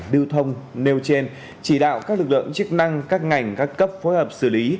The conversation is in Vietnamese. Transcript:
lưu thông nêu trên chỉ đạo các lực lượng chức năng các ngành các cấp phối hợp xử lý